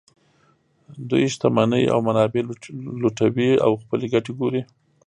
دوی شتمنۍ او منابع لوټوي او خپلې ګټې ګوري